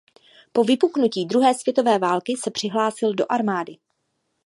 Po vypuknutí druhé světové války se přihlásil do armády.